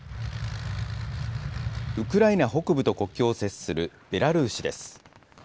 ウクライナ北部と国境を接するベラルーシです。